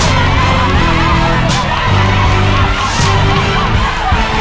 หรือว่าขาดเลือกเวลาอ๋อ